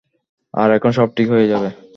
আর এখন সব ঠিক হয়ে যাবে।